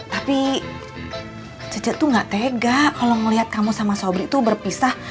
tapi ce ce tuh nggak tega kalau ngelihat kamu sama sobri tuh berpisah